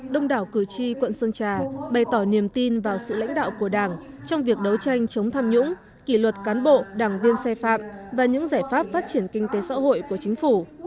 đông đảo cử tri quận sơn trà bày tỏ niềm tin vào sự lãnh đạo của đảng trong việc đấu tranh chống tham nhũng kỷ luật cán bộ đảng viên sai phạm và những giải pháp phát triển kinh tế xã hội của chính phủ